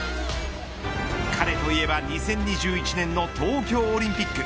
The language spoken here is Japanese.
彼といえば２０２１年の東京オリンピック。